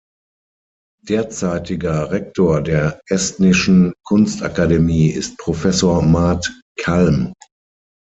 Derzeitiger Rektor der Estnischen Kunstakademie ist Professor Mart Kalm.